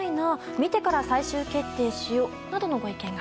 見てから最終決定しよなどのご意見が。